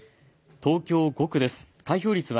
東京７区です。